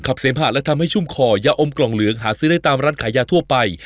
เสมหะและทำให้ชุ่มคอยาอมกล่องเหลืองหาซื้อได้ตามร้านขายยาทั่วไป